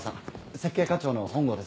設計課長の本郷です。